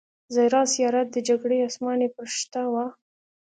زهره سیاره د جګړې اسماني پرښته وه